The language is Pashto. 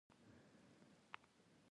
له هغه وروسته بیا نو زه کالي اغوندم.